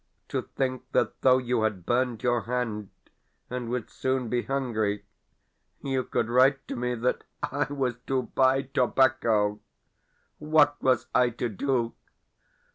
To think that though you had burned your hand, and would soon be hungry, you could write to me that I was to buy tobacco! What was I to do?